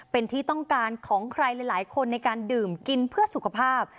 เป็นที่ต้องการของใครหลายคนในการดื่มกินเพื่อสุขภาพ